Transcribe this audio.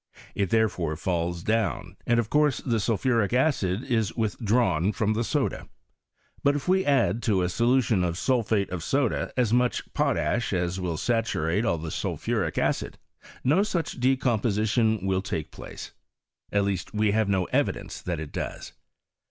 It therefore falls down, and of course the sulphuric acid is with' drawn from the soda. But if we add to a solution of sulphate of soda as much potash as will saturate all the sulphuric acid, no such decomposition will take place ; at least, we have no evidence that it does.